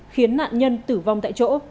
khiến nạn nhân tử vong tại chỗ